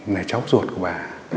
là cháu ruột của bà